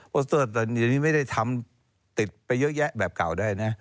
โปสเตอร์ตอนนี้ไม่ได้ทำติดไปเยอะแยะแบบเก่าได้นะ